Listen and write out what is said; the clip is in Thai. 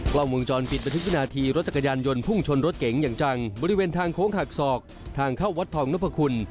กล้องวงจรปิดบันทึกวินาทีรถจักรยานยนต์พุ่งชนรถเก๋งอย่างจังบริเวณทางโค้งหักศอกทางเข้าวัดทองนพคุณ